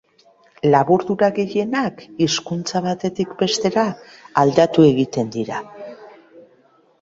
Laburdura gehienak, hizkuntza batetik bestera aldatu egiten dira.